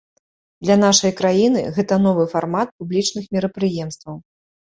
Для нашай краіны гэта новы фармат публічных мерапрыемстваў.